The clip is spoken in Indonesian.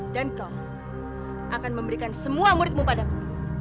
dan kau akan memberikan semua muridmu padaku